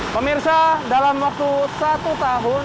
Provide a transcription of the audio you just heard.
pemirsa dalam waktu satu tahun